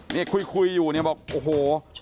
เนี่ยคุยอยู่เนี่ยบอกโอ้โห